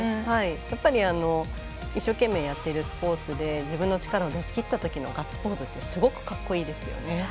やっぱり、一生懸命やってるスポーツで自分の力を出しきったときのガッツポーズってすごくかっこいいですよね。